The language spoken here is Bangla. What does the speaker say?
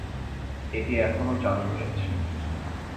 এটি এখনও চালু রয়েছে।